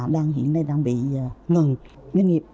bị ngừng nguyên nghiệp